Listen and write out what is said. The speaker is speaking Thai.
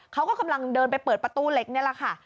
เขาก็กำลังเดินไปเปิดประตูเหล็กนี่แหละค่ะ